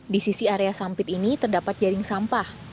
di sisi area sampit ini terdapat jaring sampah